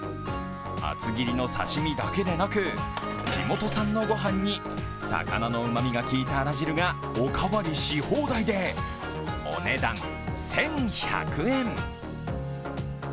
厚切りの刺身だけでなく地元産のごはんに、魚のうまみがきいたあら汁がお代わりしほうだいでお値段１１００円。